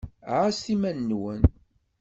Ɛasset iman-nwen.